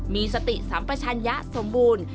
มีสติสัมปชัญญะสมบูรณ์